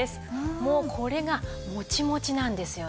もうこれがモチモチなんですよね。